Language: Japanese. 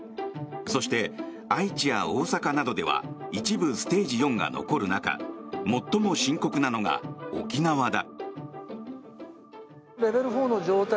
そして愛知や大阪などでは一部ステージ４が残る中最も深刻なのが沖縄だ。